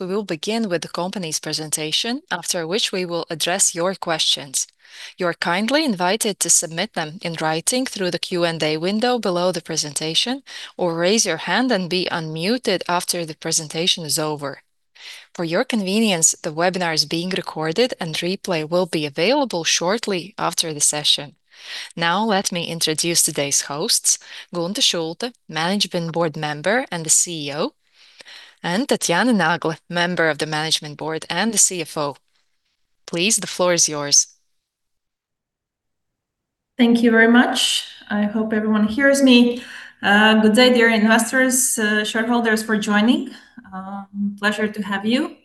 We will begin with the company's presentation, after which we will address your questions. You're kindly invited to submit them in writing through the Q&A window below the presentation or raise your hand and be unmuted after the presentation is over. For your convenience, the webinar is being recorded and replay will be available shortly after the session. Let me introduce today's hosts, Gunta Šulte, Management Board Member and the CEO, and Tatjana Nagle, Member of the Management Board and the CFO. Please, the floor is yours. Thank you very much. I hope everyone hears me. Good day, dear investors, shareholders for joining. Pleasure to have you.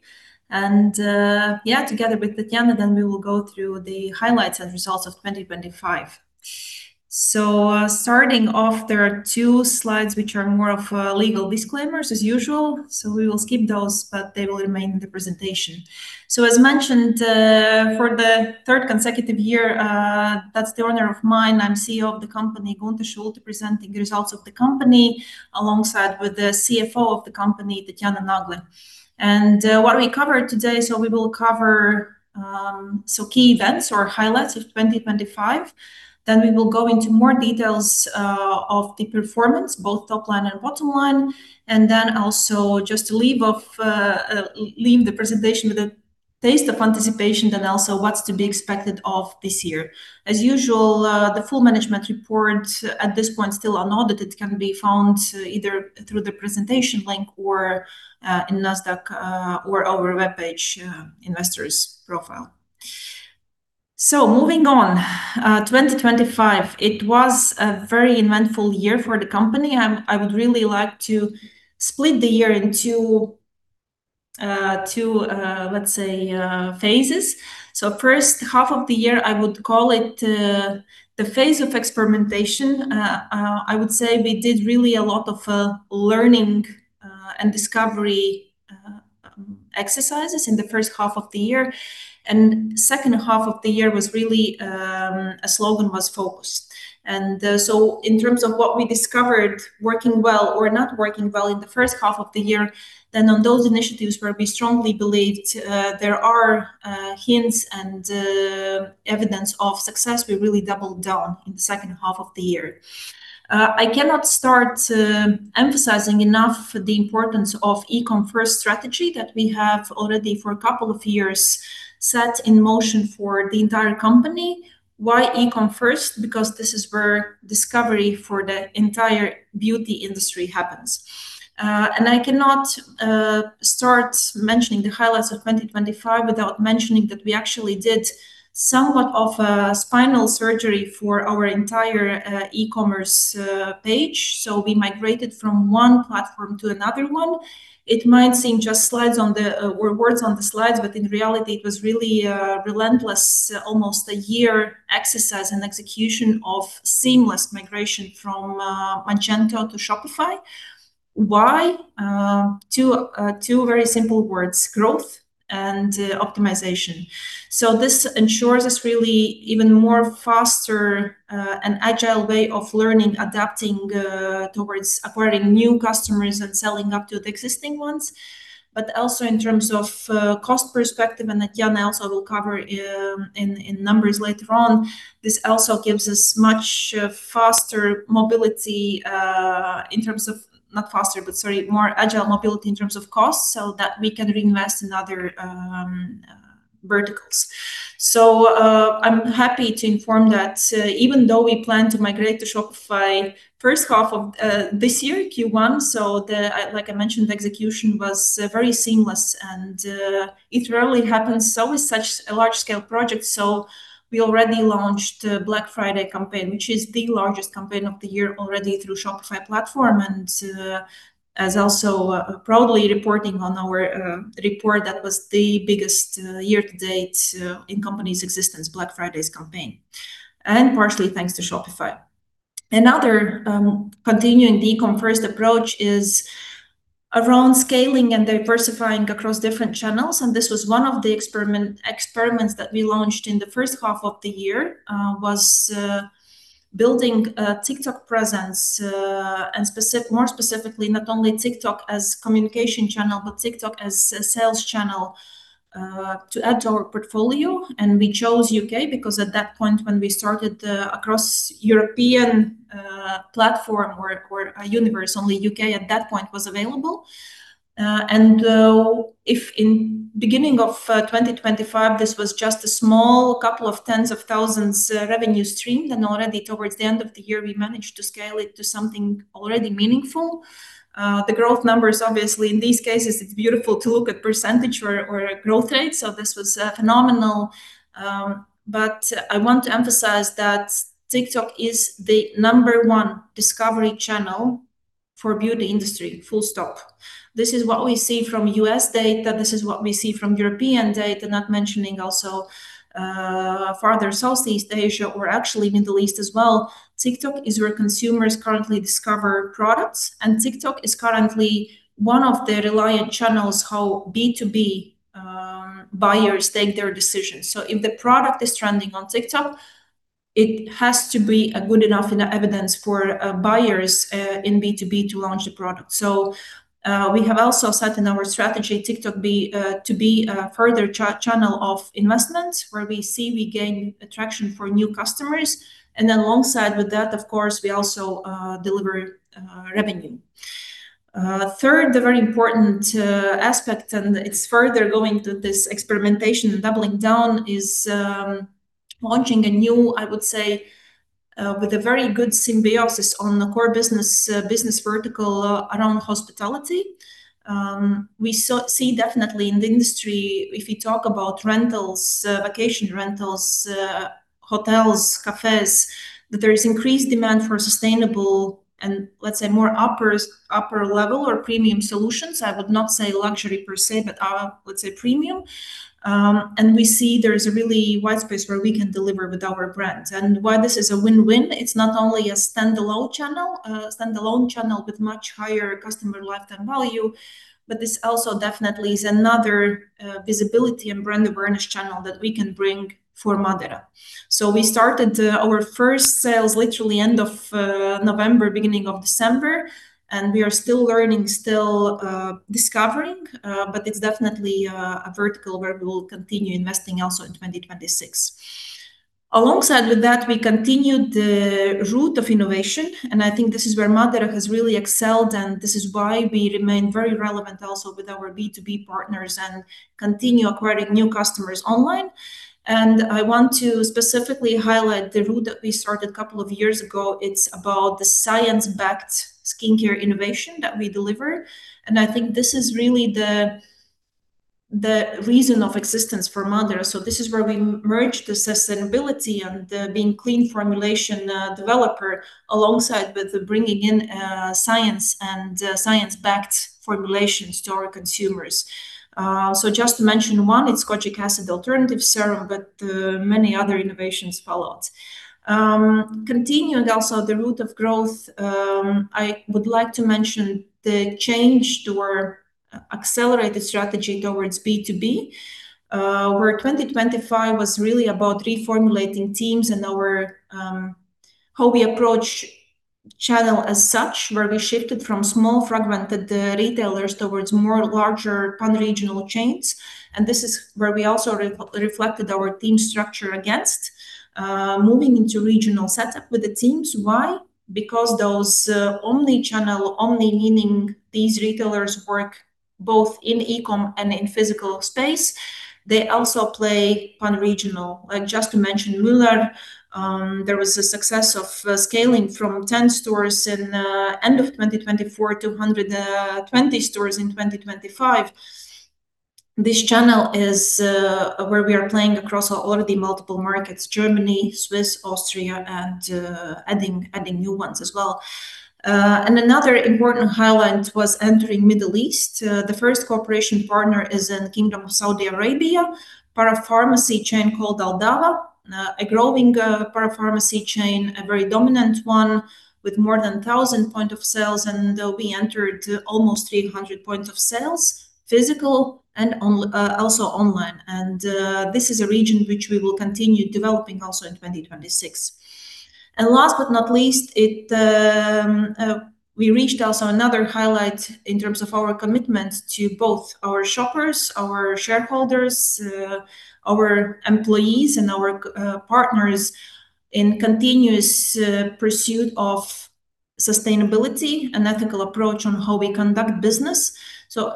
Together with Tatjana we will go through the highlights and results of 2025. Starting off, there are two slides which are more of legal disclaimers as usual. We will skip those, but they will remain in the presentation. As mentioned, for the third consecutive year, that's the honor of mine. I'm CEO of the company, Gunta Šulte, presenting the results of the company alongside with the CFO of the company, Tatjana Nagle. What we cover today, we will cover key events or highlights of 2025, then we will go into more details of the performance, both top line and bottom line, and then also just to leave the presentation with a taste of anticipation, then also what's to be expected of this year. As usual, the full management report at this point still are not that it can be found either through the presentation link or in Nasdaq or our webpage, investors profile. Moving on, 2025, it was a very eventful year for the company. I would really like to split the year into two, let's say, phases. First half of the year, I would call it the phase of experimentation. I would say we did really a lot of learning and discovery exercises in the first half of the year. Second half of the year was really a slogan was focused. In terms of what we discovered working well or not working well in the first half of the year, then on those initiatives where we strongly believed there are hints and evidence of success, we really doubled down in the second half of the year. I cannot start emphasizing enough the importance of e-com first strategy that we have already for a couple of years set in motion for the entire company. Why e-com first? Because this is where discovery for the entire beauty industry happens. I cannot start mentioning the highlights of 2025 without mentioning that we actually did somewhat of a spinal surgery for our entire e-commerce page. We migrated from one platform to another one. It might seem just words on the slides, but in reality, it was really a relentless almost a year exercise and execution of seamless migration from Magento to Shopify. Why? Two very simple words, growth and optimization. This ensures us really even more faster and agile way of learning, adapting towards acquiring new customers and selling up to the existing ones. Also in terms of cost perspective, and Tatjana also will cover in numbers later on, this also gives us much faster mobility in terms of... not faster, but, sorry, more agile mobility in terms of cost so that we can reinvest in other verticals. I'm happy to inform that even though we plan to migrate to Shopify first half of this year, Q1, like I mentioned, the execution was very seamless and it rarely happens with such a large scale project. We already launched the Black Friday campaign, which is the largest campaign of the year already through Shopify platform. As also proudly reporting on our report, that was the biggest year to date in company's existence, Black Friday's campaign, and partially thanks to Shopify. Another continuing e-com first approach is around scaling and diversifying across different channels. This was one of the experiments that we launched in the first half of the year, was building a TikTok presence, and more specifically, not only TikTok as communication channel, but TikTok as a sales channel, to add to our portfolio. We chose U.K. because at that point when we started, across European platform or universe, only U.K. at that point was available. If in beginning of 2025, this was just a small 20,000 revenue stream, then already towards the end of the year, we managed to scale it to something already meaningful. The growth numbers, obviously, in these cases, it's beautiful to look at percentage or growth rates. This was phenomenal. I want to emphasize that TikTok is the number 1 discovery channel for beauty industry, full stop. This is what we see from U.S. data. This is what we see from European data, not mentioning also farther Southeast Asia or actually Middle East as well. TikTok is where consumers currently discover products, and TikTok is currently one of the reliant channels how B2B buyers take their decisions. If the product is trending on TikTok, it has to be a good enough, you know, evidence for buyers in B2B to launch the product. We have also set in our strategy TikTok to be a further channel of investment where we see we gain attraction for new customers, and then alongside with that, of course, we also deliver revenue. Third, the very important aspect, and it's further going to this experimentation doubling down, is launching a new, I would say, with a very good symbiosis on the core business vertical, around hospitality. We see definitely in the industry if you talk about rentals, vacation rentals, hotels, cafés, that there is increased demand for sustainable and let's say more upper level or premium solutions. I would not say luxury per se, but let's say premium. We see there is a really wide space where we can deliver with our brands. Why this is a win-win, it's not only a standalone channel with much higher customer lifetime value, but this also definitely is another, visibility and brand awareness channel that we can bring for MÁDARA. We started our first sales literally end of November, beginning of December, and we are still learning, still discovering. It's definitely a vertical where we will continue investing also in 2026. Alongside with that, we continued the route of innovation, and I think this is where MÁDARA has really excelled, and this is why we remain very relevant also with our B2B partners and continue acquiring new customers online. I want to specifically highlight the route that we started couple of years ago. It's about the science-backed skincare innovation that we deliver, and I think this is really the reason of existence for MÁDARA. This is where we merged the sustainability and being clean formulation developer alongside with bringing in science and science-backed formulations to our consumers. Just to mention one, it's Kojic Alternative Pigment Serum, but many other innovations followed. Continuing also the route of growth, I would like to mention the change to our accelerated strategy towards B2B, where 2025 was really about reformulating teams and our how we approach channel as such, where we shifted from small fragmented retailers towards more larger pan-regional chains. This is where we also reflected our team structure against moving into regional setup with the teams. Why? Because those omni-channel, omni meaning these retailers work both in e-com and in physical space, they also play pan-regional. Like, just to mention Müller, there was a success of scaling from 10 stores in end of 2024 to 120 stores in 2025. This channel is where we are playing across a lot of the multiple markets, Germany, Swiss, Austria, adding new ones as well. Another important highlight was entering Middle East. The first cooperation partner is in Kingdom of Saudi Arabia, parapharmacy chain called Al-Dawaa, a growing parapharmacy chain, a very dominant one with more than 1,000 point of sales, we entered almost 800 points of sales, physical and also online. This is a region which we will continue developing also in 2026. Last but not least, we reached also another highlight in terms of our commitment to both our shoppers, our shareholders, our employees, and our partners in continuous pursuit of sustainability and ethical approach on how we conduct business.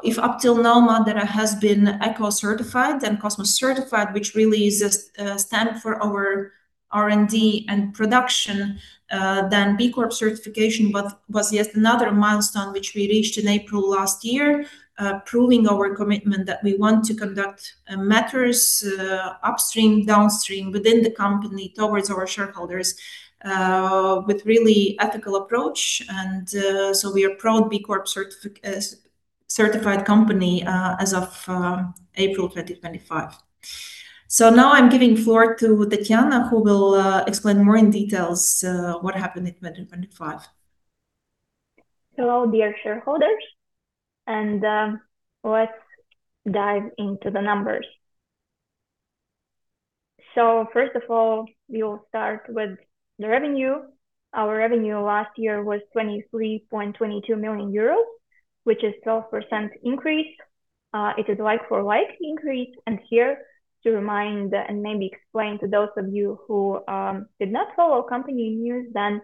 If up till now MÁDARA has been eco-certified and COSMOS certified, which really is stand for our R&D and production, then B Corp certification was yet another milestone which we reached in April last year, proving our commitment that we want to conduct matters upstream, downstream within the company towards our shareholders with really ethical approach. So we are proud B Corp certified company as of April 2025. Now I'm giving floor to Tatjana, who will explain more in details what happened in 2025. Hello, dear shareholders, let's dive into the numbers. First of all, we will start with the revenue. Our revenue last year was 23.22 million euros, which is 12% increase. It is like for like increase. Here to remind and maybe explain to those of you who did not follow company news then,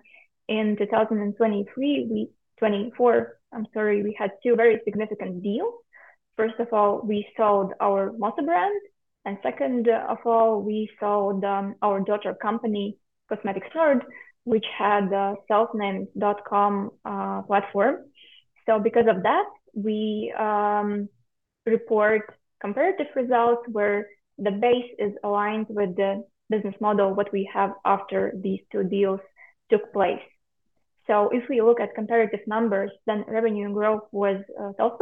2024, I'm sorry, we had two very significant deals. First of all, we sold our MOSSA brand, and second of all, we sold our daughter company, Cosmetics NORD, which had a SELFNAMED.COM platform. Because of that, we report comparative results where the base is aligned with the business model what we have after these two deals took place. If we look at comparative numbers, then revenue growth was 12%,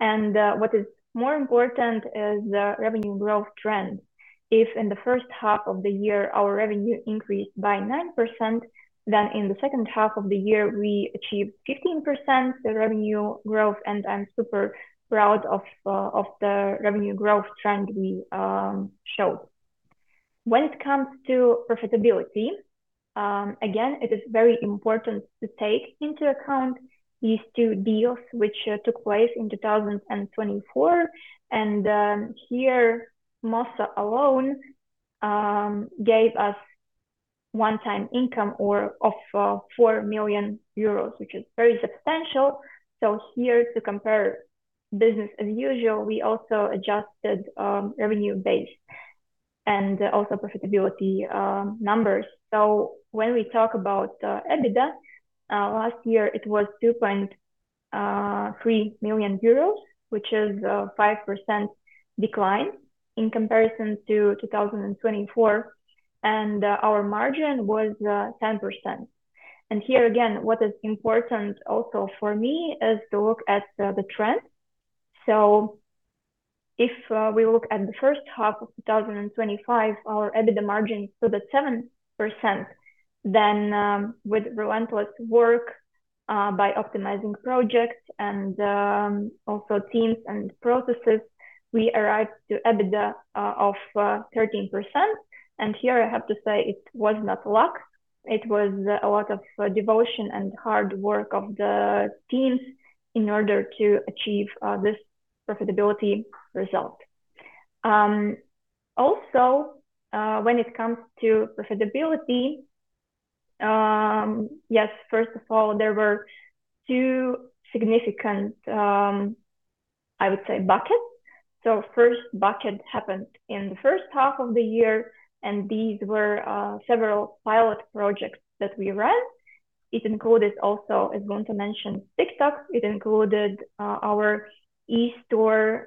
and what is more important is the revenue growth trend. If in the first half of the year our revenue increased by 9%, then in the second half of the year we achieved 15% the revenue growth, and I'm super proud of the revenue growth trend we show. When it comes to profitability, again, it is very important to take into account these two deals which took place in 2024. Here, MOSSA alone gave us one-time income or of 4 million euros, which is very substantial. Here to compare business as usual, we also adjusted revenue base and also profitability numbers. When we talk about EBITDA, last year it was 2.3 million euros, which is a 5% decline in comparison to 2024. Our margin was 10%. Here again, what is important also for me is to look at the trend. If we look at the first half of 2025, our EBITDA margin stood at 7%. With relentless work, by optimizing projects and also teams and processes, we arrived to EBITDA of 13%. Here I have to say it was not luck. It was a lot of devotion and hard work of the teams in order to achieve this profitability result. Also, yes, first of all, there were two significant, I would say, buckets. First bucket happened in the first half of the year, and these were several pilot projects that we ran. It included also, as Gunta mentioned, TikTok. It included our e-store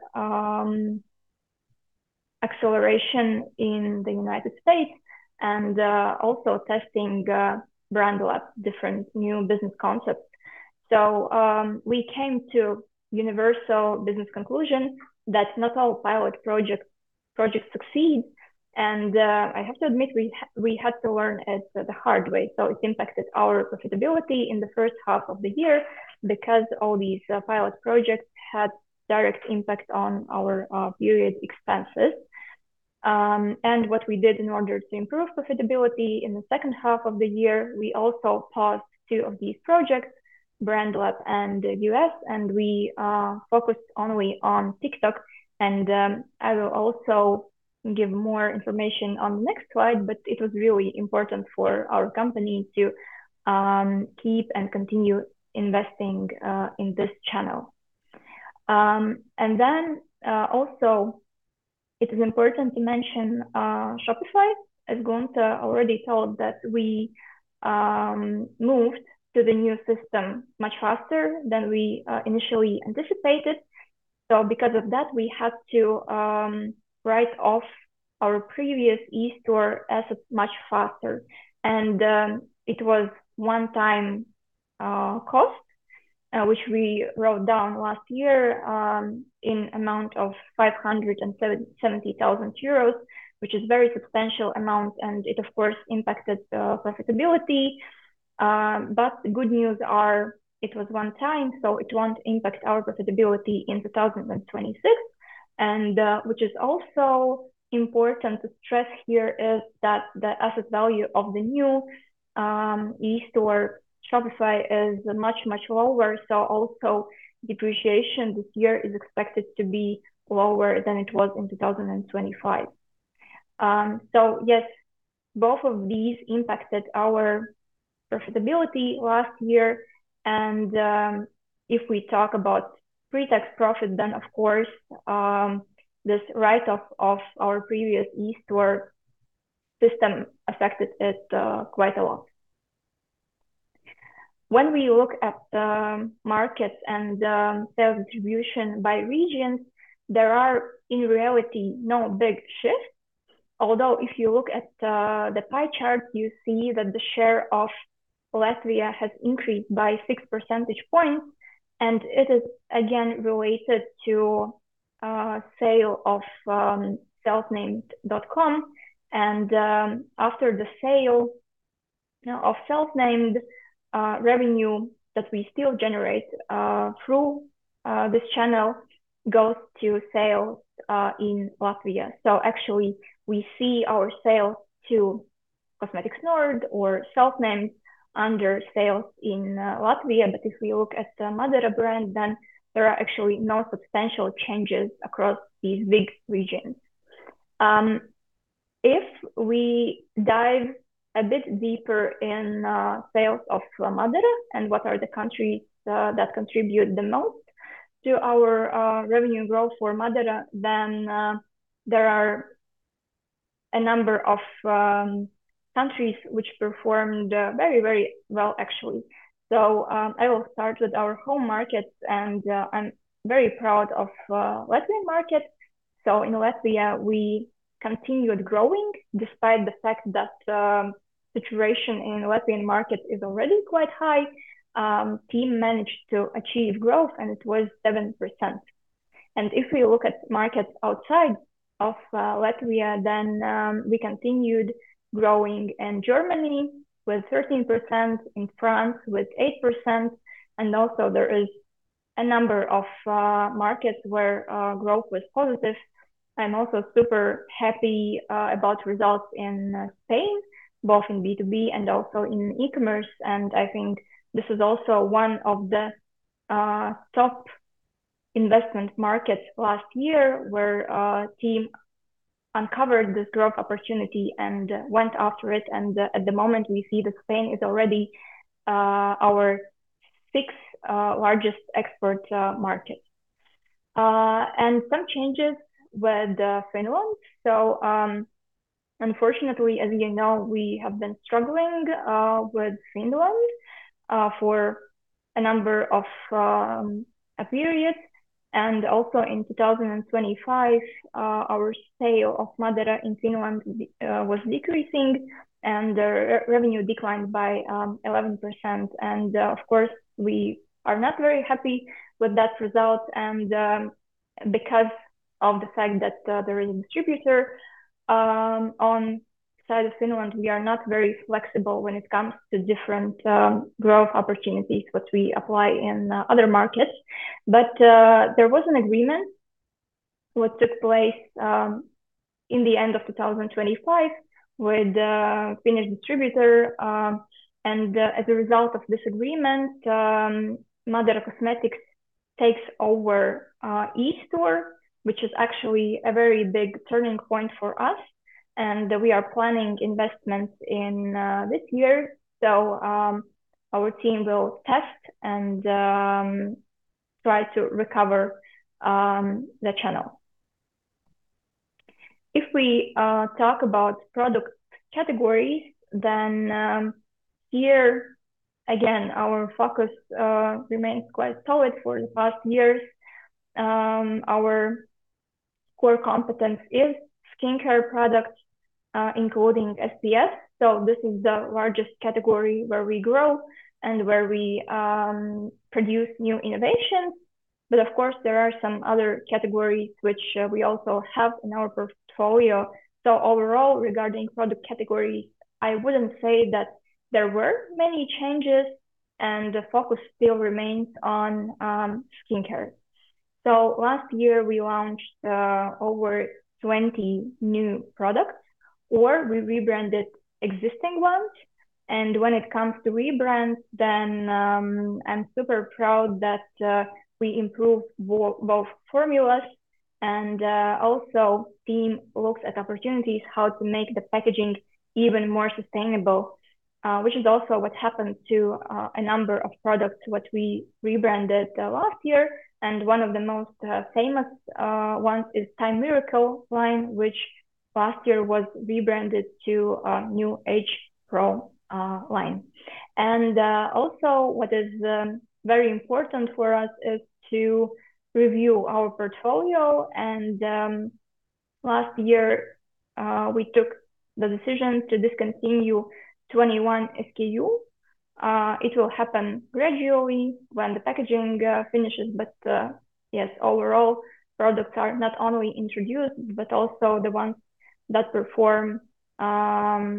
acceleration in the United States and also testing Brand Lab, different new business concepts. We came to universal business conclusion that not all pilot projects succeed. I have to admit, we had to learn it the hard way. It impacted our profitability in the first half of the year because all these pilot projects had direct impact on our period expenses. What we did in order to improve profitability in the second half of the year, we also paused two of these projects, Brand Lab Cosmetics and U.S., and we focused only on TikTok. I will also give more information on the next slide, but it was really important for our company to keep and continue investing in this channel. Also it is important to mention Shopify. As Gunta already told that we moved to the new system much faster than we initially anticipated. Because of that, we had to write off our previous e-store assets much faster. It was one time cost which we wrote down last year in amount of 570,000 euros, which is very substantial amount, and it of course impacted profitability. The good news are it was one time, so it won't impact our profitability in 2026. Which is also important to stress here is that the asset value of the new e-store, Shopify, is much, much lower. Also depreciation this year is expected to be lower than it was in 2025. Yes, both of these impacted our profitability last year. If we talk about pre-tax profit, then of course, this write-off of our previous e-store system affected it quite a lot. When we look at markets and sales distribution by regions, there are, in reality, no big shifts. Although if you look at the pie chart, you see that the share of Latvia has increased by six percentage points, and it is again related to sale of SELFNAMED.COM. After the sale, you know, of Selfnamed, revenue that we still generate through this channel goes to sales in Latvia. Actually, we see our sales to Cosmetics NORD or Selfnamed under sales in Latvia. If we look at the MÁDARA brand, then there are actually no substantial changes across these big regions. If we dive a bit deeper in sales of MÁDARA and what are the countries that contribute the most to our revenue growth for MÁDARA, then there are a number of countries which performed very, very well, actually. I will start with our home markets and I'm very proud of Latvian market. In Latvia, we continued growing despite the fact that saturation in Latvian market is already quite high. Team managed to achieve growth, and it was 7%. If we look at markets outside of Latvia, we continued growing in Germany with 13%, in France with 8%, and also there is a number of markets where growth was positive. I'm also super happy about results in Spain, both in B2B and also in e-commerce. I think this is also one of the top investment markets last year, where our team uncovered this growth opportunity and went after it. At the moment, we see that Spain is already our 6th largest export market. Some changes with Finland. Unfortunately, as you know, we have been struggling with Finland for a number of a period. Also in 2025, our sale of MÁDARA in Finland was decreasing, and the revenue declined by 11%. Of course, we are not very happy with that result. Because of the fact that there is a distributor on side of Finland, we are not very flexible when it comes to different growth opportunities, which we apply in other markets. There was an agreement which took place in the end of 2025 with the Finnish distributor. As a result of this agreement, MÁDARA Cosmetics takes over e-store, which is actually a very big turning point for us. We are planning investments in this year. Our team will test and try to recover the channel. If we talk about product category, then here again, our focus remains quite solid for the past years. Our core competence is skincare products, including SPF. This is the largest category where we grow and where we produce new innovations. Of course, there are some other categories which we also have in our portfolio. Overall, regarding product category, I wouldn't say that there were many changes, and the focus still remains on skincare. Last year, we launched over 20 new products, or we rebranded existing ones. When it comes to rebrands, then I'm super proud that we improved both formulas. Team looks at opportunities how to make the packaging even more sustainable, which is also what happened to a number of products what we rebranded last year. One of the most famous ones is Time Miracle line, which last year was rebranded to new Age Pro line. Also what is very important for us is to review our portfolio. Last year, we took the decision to discontinue 21 SKU. It will happen gradually when the packaging finishes. Yes, overall, products are not only introduced, but also the ones that perform not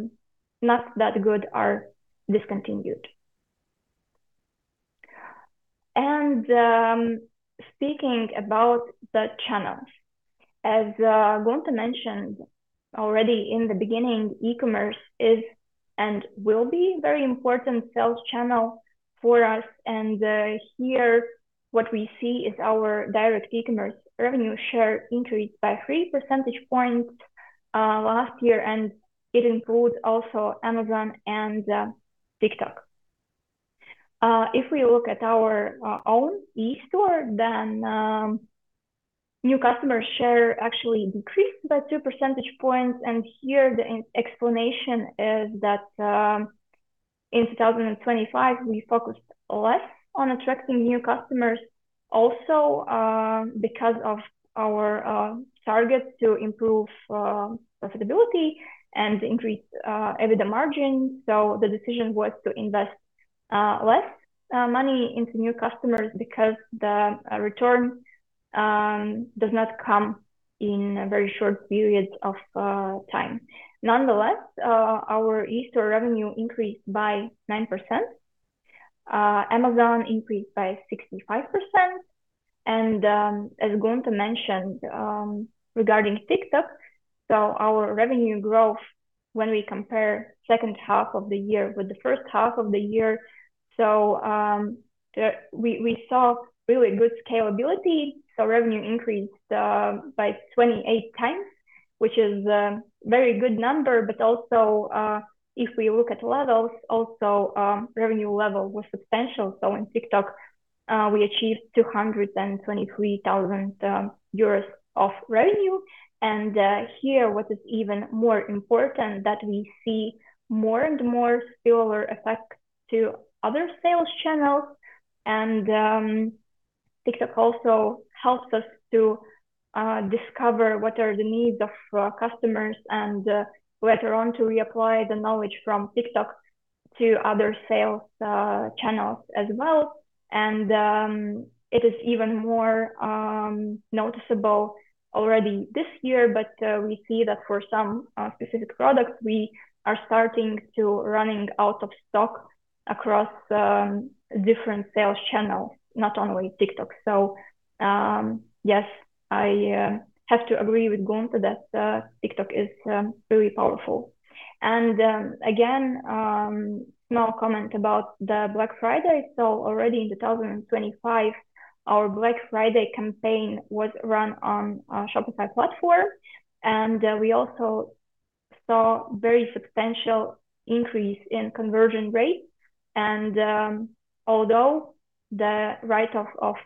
that good are discontinued. Speaking about the channels, as Gunta mentioned already in the beginning, e-commerce is and will be very important sales channel for us. Here, what we see is our direct e-commerce revenue share increased by 3 percentage points last year, and it includes also Amazon and TikTok. If we look at our own e-store, then new customer share actually decreased by 2 percentage points. Here the explanation is that in 2025, we focused less on attracting new customers also because of our target to improve profitability and increase EBITDA margin. The decision was to invest less money into new customers because the return does not come in a very short period of time. Nonetheless, our e-store revenue increased by 9%. Amazon increased by 65%. As Gunta mentioned, regarding TikTok, our revenue growth when we compare second half of the year with the first half of the year, we saw really good scalability. Revenue increased by 28 times, which is very good number. If we look at levels also, revenue level was substantial. In TikTok, we achieved 223,000 euros of revenue. Here what is even more important that we see more and more spillover effect to other sales channels. TikTok also helps us to discover what are the needs of our customers and later on to reapply the knowledge from TikTok to other sales channels as well. It is even more noticeable already this year, but we see that for some specific products, we are starting to running out of stock across different sales channels, not only TikTok. Yes, I have to agree with Gunta that TikTok is really powerful. Again, small comment about the Black Friday. Already in 2025, our Black Friday campaign was run on our Shopify platform, and we also saw very substantial increase in conversion rate. Although the write-off of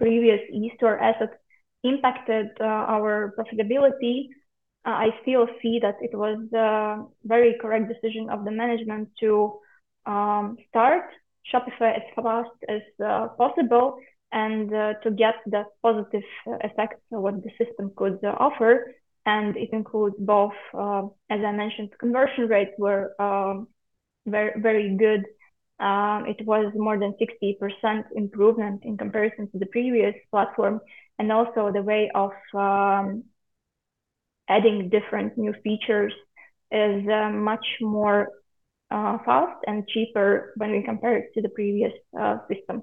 previous e-store assets impacted our profitability, I still see that it was a very correct decision of the management to start Shopify as fast as possible and to get the positive effects of what the system could offer. It includes both, as I mentioned, conversion rates were very good. It was more than 60% improvement in comparison to the previous platform. Also the way of adding different new features is much more fast and cheaper when we compare it to the previous system.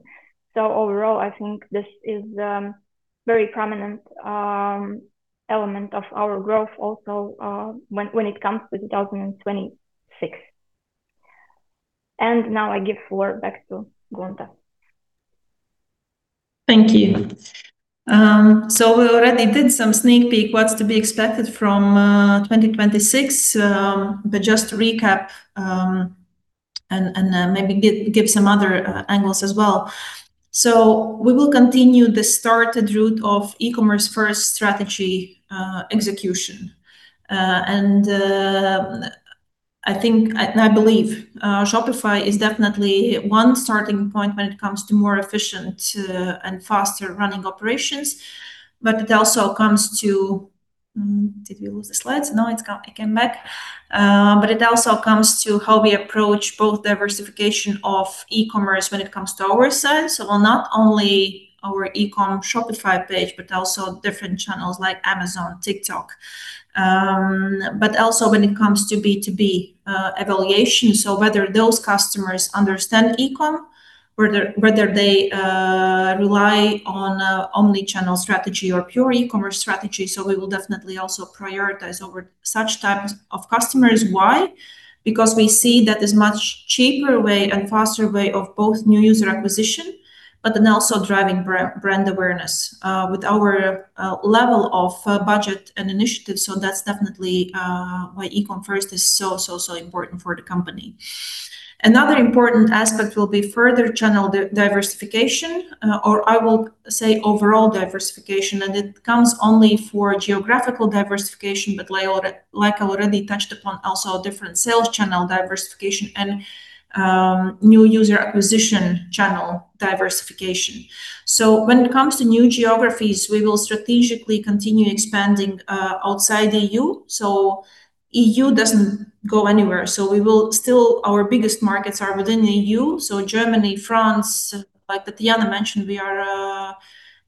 Overall, I think this is very prominent element of our growth also when it comes to 2026. Now I give floor back to Gunta. Thank you. We already did some sneak peek what's to be expected from 2026. Just to recap, and give some other angles as well. We will continue the started route of e-commerce first strategy execution. I believe Shopify is definitely one starting point when it comes to more efficient and faster running operations. It also comes to... Did we lose the slides? No, it came back. It also comes to how we approach both diversification of e-commerce when it comes to our side. On not only our e-com Shopify page, but also different channels like Amazon, TikTok. Also when it comes to B2B evaluation. Whether those customers understand e-com, whether they rely on omni-channel strategy or pure e-commerce strategy. We will definitely also prioritize over such types of customers. Why? Because we see that as much cheaper way and faster way of both new user acquisition, but then also driving brand awareness with our level of budget and initiatives. That's definitely why e-com first is so, so important for the company. Another important aspect will be further channel diversification, or I will say overall diversification. It comes only for geographical diversification, but like I already touched upon, also different sales channel diversification and new user acquisition channel diversification. When it comes to new geographies, we will strategically continue expanding outside EU. EU doesn't go anywhere. We will still... Our biggest markets are within EU, so Germany, France. Like Tatiana mentioned, we are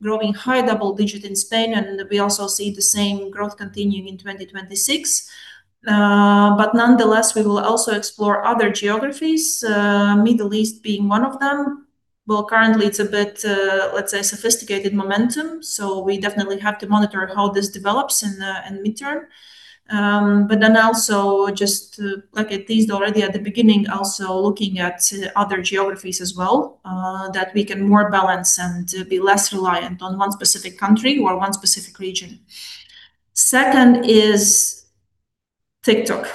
growing high double digit in Spain, and we also see the same growth continuing in 2026. Nonetheless, we will also explore other geographies, Middle East being one of them. Currently, it's a bit, let's say, sophisticated momentum, so we definitely have to monitor how this develops in the mid-term. Also just to, like, it is already at the beginning, also looking at other geographies as well, that we can more balance and be less reliant on one specific country or one specific region. Second is TikTok.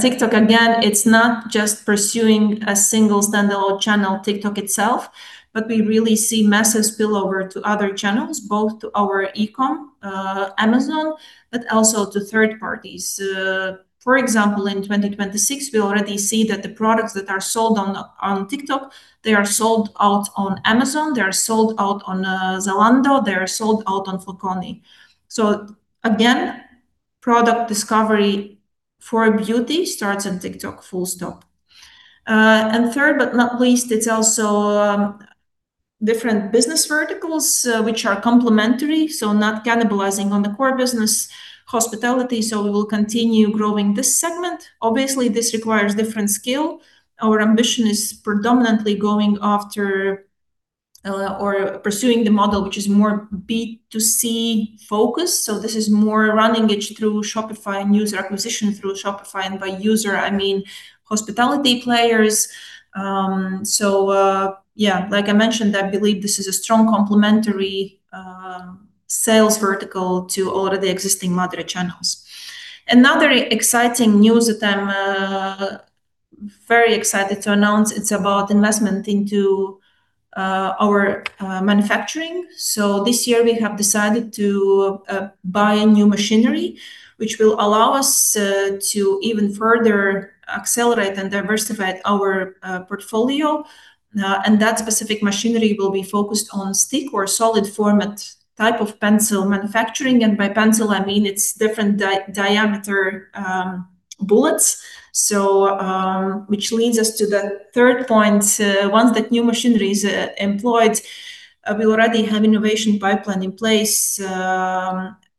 TikTok, again, it's not just pursuing a single standalone channel, TikTok itself, but we really see massive spillover to other channels, both to our e-com, Amazon, but also to third parties. For example, in 2026, we already see that the products that are sold on TikTok, they are sold out on Amazon, they are sold out on Zalando, they are sold out on Feelunique. Again, product discovery for beauty starts on TikTok, full stop. And third, but not least, it's also different business verticals, which are complementary, so not cannibalizing on the core business hospitality. We will continue growing this segment. Obviously, this requires different skill. Our ambition is predominantly going after or pursuing the model, which is more B2C-focused. This is more running it through Shopify and user acquisition through Shopify. By user, I mean hospitality players. Like I mentioned, I believe this is a strong complementary sales vertical to all of the existing MÁDARA channels. Another exciting news that I'm very excited to announce, it's about investment into our manufacturing. This year we have decided to buy new machinery which will allow us to even further accelerate and diversify our portfolio. That specific machinery will be focused on stick or solid format type of pencil manufacturing, and by pencil I mean its different diameter bullets. Which leads us to the third point. Once that new machinery is employed, we already have innovation pipeline in place,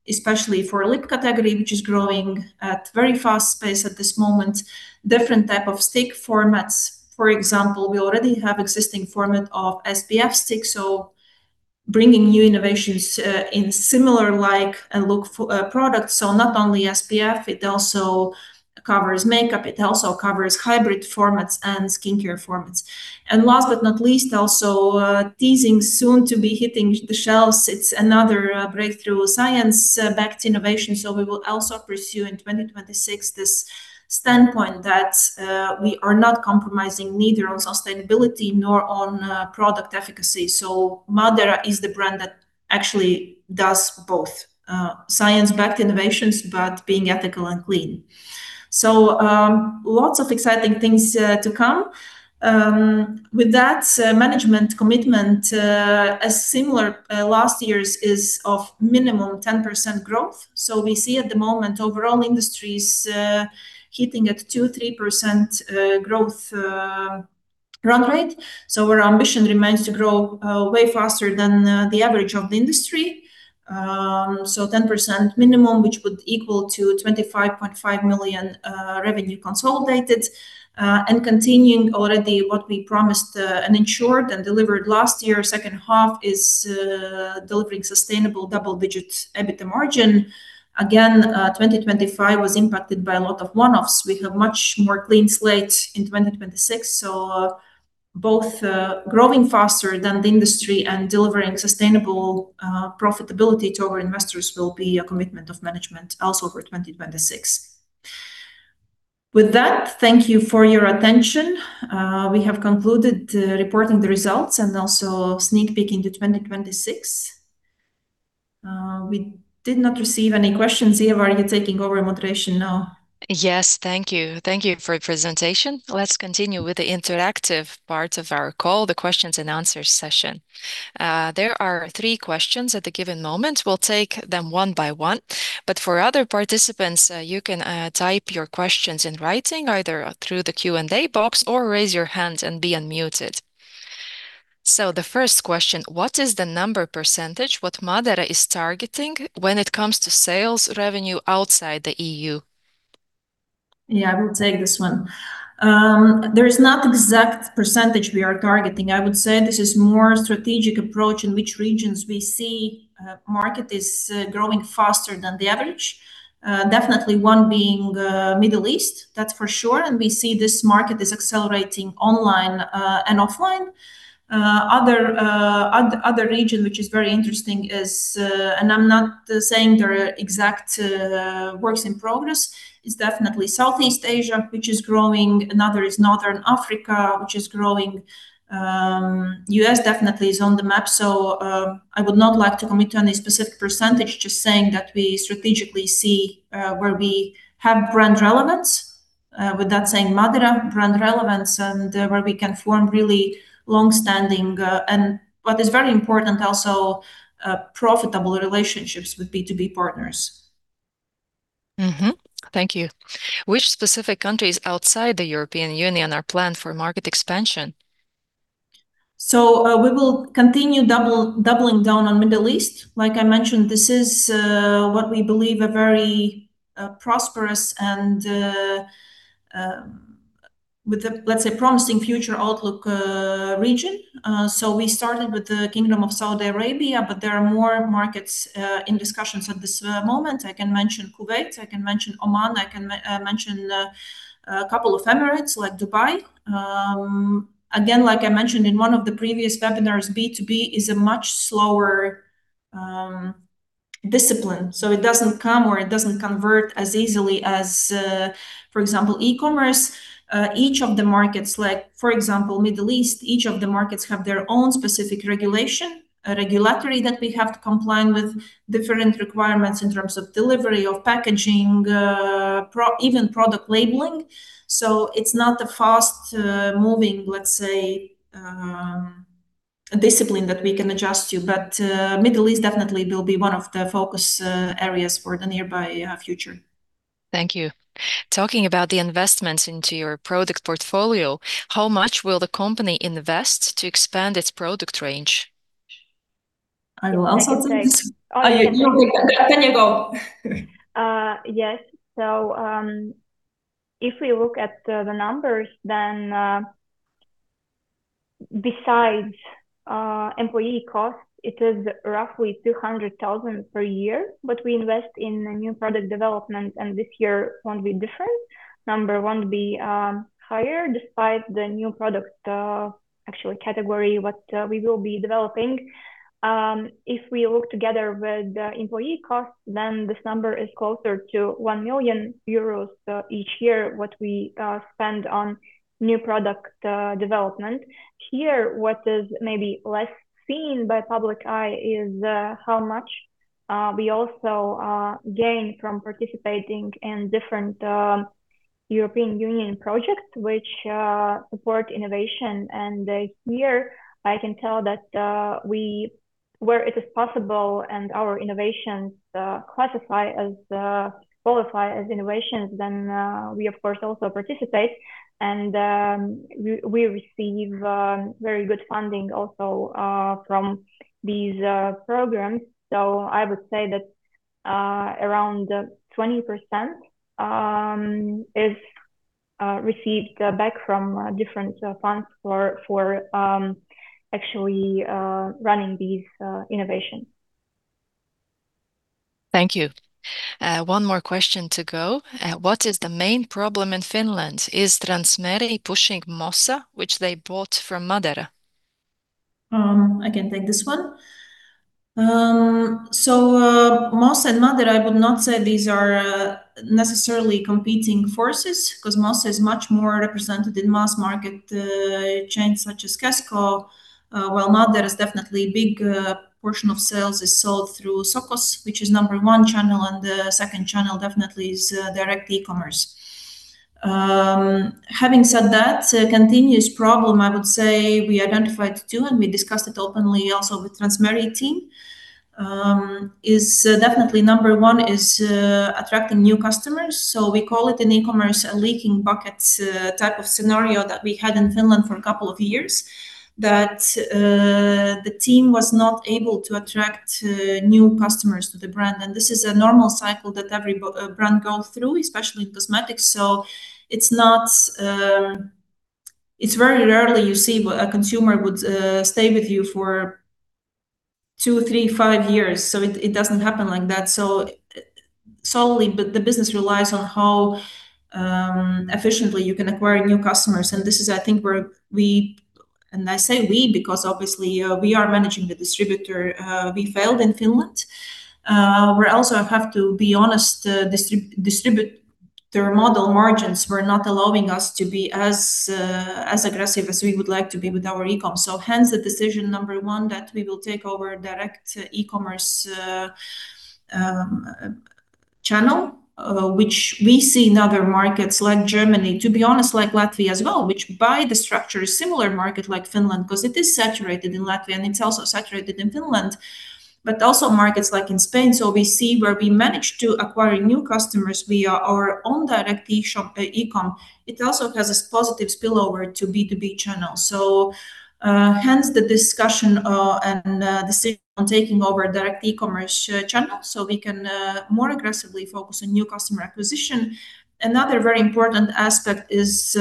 especially for a lip category which is growing at very fast pace at this moment. Different type of stick formats. For example, we already have existing format of SPF sticks, bringing new innovations, in similar like and look product, not only SPF, it also covers makeup, it also covers hybrid formats and skincare formats. Last but not least, also, teasing soon to be hitting the shelves, it's another breakthrough science backed innovation. We will also pursue in 2026 this standpoint that we are not compromising neither on sustainability nor on product efficacy. MÁDARA is the brand that actually does both, science-backed innovations but being ethical and clean. Lots of exciting things to come. With that, management commitment, a similar last year's is of minimum 10% growth. We see at the moment overall industries hitting at 2%-3% growth run rate. Our ambition remains to grow way faster than the average of the industry. Ten percent minimum, which would equal to 25.5 million revenue consolidated. Continuing already what we promised and ensured and delivered last year second half is delivering sustainable double-digit EBITDA margin. Again, 2025 was impacted by a lot of one-offs. We have much more clean slate in 2026. Both growing faster than the industry and delivering sustainable profitability to our investors will be a commitment of management also for 2026. With that, thank you for your attention. We have concluded reporting the results and also sneak peek into 2026. We did not receive any questions. Ieva, are you taking over moderation now? Yes, thank you. Thank you for your presentation. Let's continue with the interactive part of our call, the questions and answers session. There are three questions at the given moment. We'll take them one by one. For other participants, you can type your questions in writing either through the Q&A box or raise your hand and be unmuted. The first question: What is the number percentage what MÁDARA is targeting when it comes to sales revenue outside the EU? Yeah, I will take this one. There is not exact percentage we are targeting. I would say this is more strategic approach in which regions we see market is growing faster than the average. Definitely one being Middle East, that's for sure, and we see this market is accelerating online and offline. Other region which is very interesting is, and I'm not saying there are exact works in progress, is definitely Southeast Asia, which is growing. Another is Northern Africa, which is growing. U.S. definitely is on the map. I would not like to commit on a specific percentage, just saying that we strategically see where we have brand relevance, with that saying MÁDARA brand relevance and where we can form really long-standing, and what is very important also, profitable relationships with B2B partners. Thank you. Which specific countries outside the European Union are planned for market expansion? We will continue doubling down on Middle East. Like I mentioned, this is what we believe a very prosperous and with a, let's say, promising future outlook region. We started with the Kingdom of Saudi Arabia. There are more markets in discussions at this moment. I can mention Kuwait, I can mention Oman, I can mention a couple of Emirates like Dubai. Again, like I mentioned in one of the previous webinars, B2B is a much slower discipline. It doesn't come or it doesn't convert as easily as, for example, e-commerce. Each of the markets, like for example, Middle East, each of the markets have their own specific regulation, regulatory that we have to comply with, different requirements in terms of delivery, of packaging, even product labeling. It's not a fast, moving, let's say, discipline that we can adjust to. Middle East definitely will be one of the focus areas for the nearby future. Thank you. Talking about the investments into your product portfolio, how much will the company invest to expand its product range? I will also take this. I can take. Oh, you can. Tanja, go. Yes. If we look at the numbers then, besides employee costs, it is roughly 200,000 per year what we invest in a new product development, and this year won't be differentNumber one be higher despite the new product actual category what we will be developing. If we look together with the employee cost, then this number is closer to 1 million euros each year what we spend on new product development. Here, what is maybe less seen by public eye is how much we also gain from participating in different European Union projects, which support innovation. This year I can tell that we... where it is possible and our innovations classify as qualify as innovations, then we of course also participate and we receive very good funding also from these programs. So I would say that around 20% is received back from different funds for actually running these innovations. Thank you. One more question to go. What is the main problem in Finland? Is Transmeri pushing MOSSA, which they bought from MÁDARA? I can take this one. MOSSA and MÁDARA, I would not say these are necessarily competing forces, 'cause MOSSA is much more represented in mass market chains such as Kesko, while MÁDARA is definitely big. Portion of sales is sold through Sokos, which is number one channel, and the second channel definitely is direct e-commerce. Having said that, a continuous problem I would say we identified too, and we discussed it openly also with Transmeri team, is definitely number one is attracting new customers. We call it an e-commerce leaking buckets type of scenario that we had in Finland for a couple of years that the team was not able to attract new customers to the brand. This is a normal cycle that every brand go through, especially in cosmetics. It's not, it's very rarely you see a consumer would stay with you for two, three, five years. It doesn't happen like that. Solely the business relies on how efficiently you can acquire new customers. This is, I think where we and I say we because obviously, we are managing the distributor. We failed in Finland. We're also, I have to be honest, distribute their model margins were not allowing us to be as aggressive as we would like to be with our e-com. Hence the decision number one, that we will take over direct e-commerce channel, which we see in other markets like Germany, to be honest, like Latvia as well, which by the structure is similar market like Finland, 'cause it is saturated in Latvia and it's also saturated in Finland, but also markets like in Spain. We see where we managed to acquire new customers via our own direct eShop e-com. It also has a positive spillover to B2B channel. Hence the discussion and decision on taking over direct e-commerce channel so we can more aggressively focus on new customer acquisition. Another very important aspect is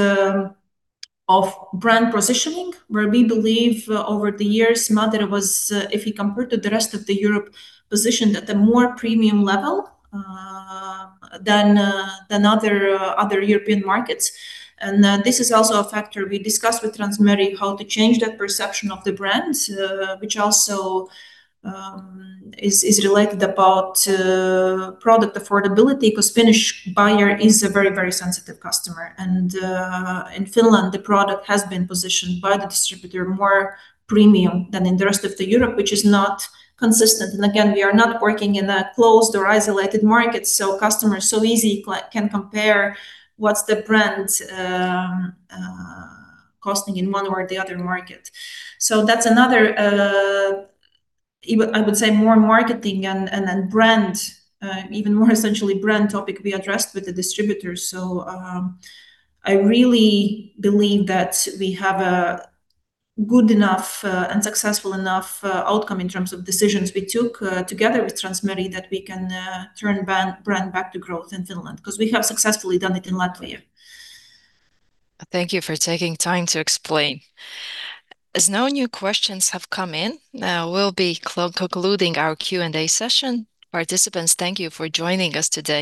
of brand positioning, where we believe over the years MÁDARA was, if you compared to the rest of Europe, positioned at the more premium level than other European markets. This is also a factor we discussed with Transmeri how to change that perception of the brand, which also is related about product affordability, 'cause Finnish buyer is a very sensitive customer. In Finland, the product has been positioned by the distributor more premium than in the rest of Europe, which is not consistent. Again, we are not working in a closed or isolated market, so customers so easy can compare what's the brand costing in one or the other market. That's another I would say more marketing and brand, even more essentially brand topic we addressed with the distributors. I really believe that we have a good enough and successful enough outcome in terms of decisions we took together with Transmeri that we can turn brand back to growth in Finland, 'cause we have successfully done it in Latvia. Thank you for taking time to explain. As no new questions have come in, we'll be concluding our Q&A session. Participants, thank you for joining us today.